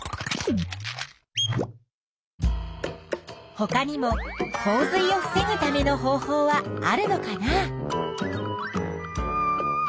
ほかにも洪水を防ぐための方法はあるのかな？